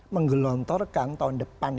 menggelontorkan tahun depan